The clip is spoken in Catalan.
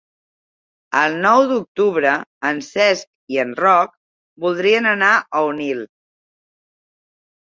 El nou d'octubre en Cesc i en Roc voldrien anar a Onil.